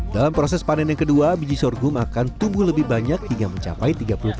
dalam proses panen yang kedua biji sorghum akan tumbuh lebih banyak hingga mencapai tiga puluh